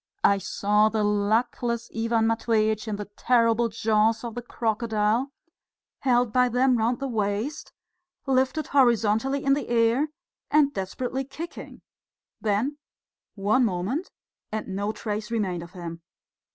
I saw the luckless Ivan Matveitch in the terrible jaws of the crocodile, held by them round the waist, lifted horizontally in the air and desperately kicking. Then one moment, and no trace remained of him.